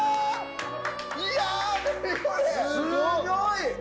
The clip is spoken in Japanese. すごい！